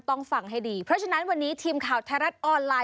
ฟังให้ดีเพราะฉะนั้นวันนี้ทีมข่าวไทยรัฐออนไลน